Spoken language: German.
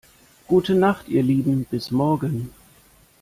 Gute Nacht ihr Lieben, bis morgen.